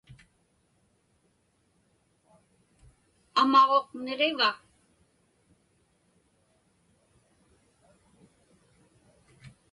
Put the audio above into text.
Amaġuq niġiva?